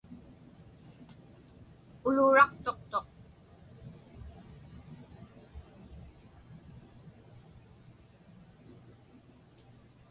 Uluuraqtuqtuq.